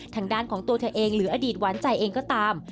ทางด้านของตัวเธอเองหรืออดีตหวานใจเองก็ตาม